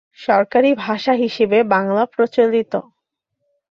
সরকারি ভাষা হিসেবে বাংলা প্রচলিত।